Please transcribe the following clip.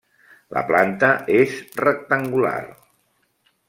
La planta és rectangular.